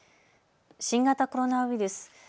新型コロナウイルス。